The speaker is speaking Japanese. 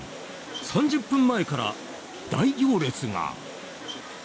３０分前から大行列が。